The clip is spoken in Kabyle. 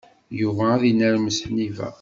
Yuba ad inermes Ḥnifa.